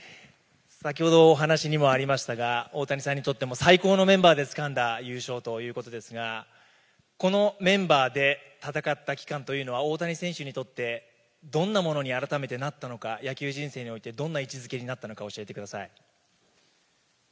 先ほど、お話にもありましたが、大谷さんにとっても最高のメンバーでつかんだ優勝ということですが、このメンバーで戦った期間というのは、大谷選手にとって、どんなものに改めてなったのか、野球人生においてどんな位置づけになったのか、教えてください。